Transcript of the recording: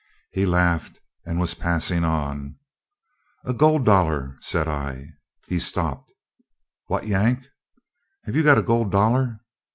He laughed and was passing on. "A gold dollar," said I. He stopped: "What, Yank! Have you got a gold dollar?"